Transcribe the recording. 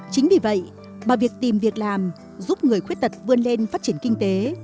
chính vì vậy bằng việc tìm việc làm giúp người khuyết tật vươn lên phát triển kinh tế